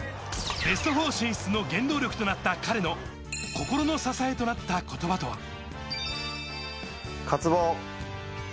ベスト４進出の原動力となった彼の心の支えとなった言葉とは？